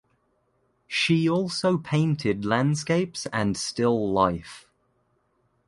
She also painted landscapes and still life.